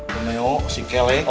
romeo si kelek